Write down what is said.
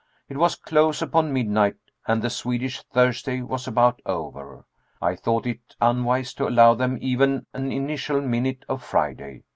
It was close upon midnight and the Swedish Thursday was about over. I thought it unwise to allow them even an initial minute of Friday.